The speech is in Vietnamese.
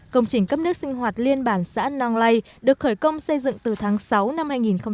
công trình cấp nước sinh hoạt liên bản xã nang lay được khởi công xây dựng từ tháng sáu năm hai nghìn một mươi